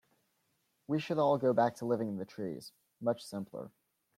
We should all go back to living in the trees, much simpler.